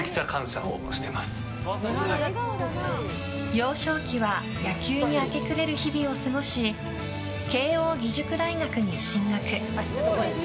幼少期は野球に明け暮れる日々を過ごし慶應義塾大学に進学。